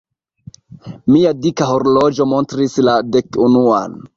Mia dika horloĝo montris la dek-unuan.